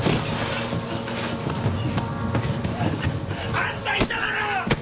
あんた言っただろ！